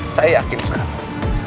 saya yakin sekarang